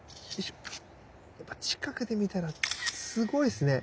やっぱ近くで見たらすごいっすね。